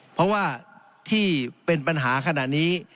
เพราะว่าที่เป็นปัญหาขณะนี้